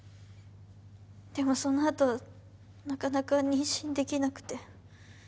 でもその後なかなか妊娠できなくて。